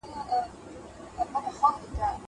درېيم ډول ئې د رسول الله په دور کي پيښي او غزاوي دي.